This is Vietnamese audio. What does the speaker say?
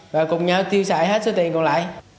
và cùng nhau tiêu xài hết số tiền còn lại